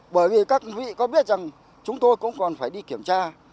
bởi vì các vị có biết rằng chúng tôi cũng còn phải đi kiểm tra